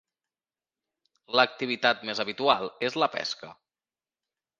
L'activitat més habitual és la pesca.